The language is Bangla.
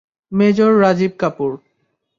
মেজর রাজিব কাপুর।